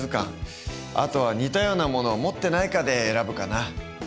あとは似たようなものを持ってないかで選ぶかな。